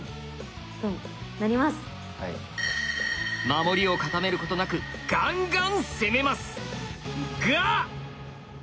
守りを固めることなくガンガン攻めますが！